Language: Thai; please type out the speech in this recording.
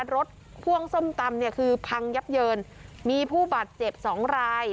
รถพ่วงส้มตำเนี่ยคือพังยับเยินมีผู้บาดเจ็บสองราย